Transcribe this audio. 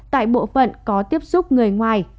tại bộ phận có tiếp xúc người ngoài